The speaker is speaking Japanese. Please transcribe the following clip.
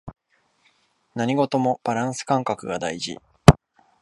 何事もバランス感覚が大事